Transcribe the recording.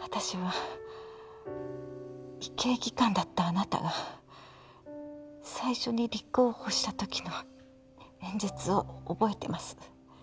私は医系技官だったあなたが最初に立候補した時の演説を覚えてます